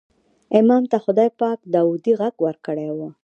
امام ته خدای پاک داودي غږ ورکړی و.